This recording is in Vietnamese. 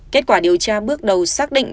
kết quả điều tra bước đầu xác định